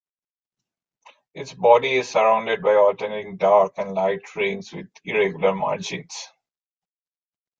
Its body is surrounded by alternating dark and light rings with irregular margins.